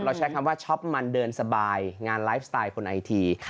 ใช้คำว่าช็อปมันเดินสบายงานไลฟ์สไตล์คนไอที